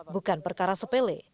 bukan perkara sepele